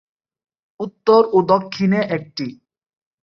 উত্তর ও দক্ষিণ এ একটি।